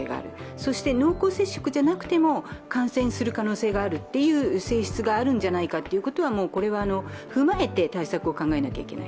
そして濃厚接触じゃなくても感染する可能性があるという性質があるんじゃないかということは、もうこれは踏まえて対策を考えないといけない。